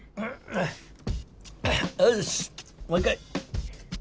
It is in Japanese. よしもう一回。